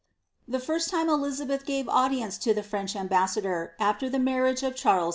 The first lime Elizabeth gave audience lo the French smbnasailor, after the marriage of CharlpH IX..